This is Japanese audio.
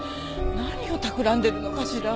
何を企んでるのかしら。